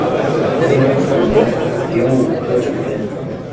雍正四年丙午科举人。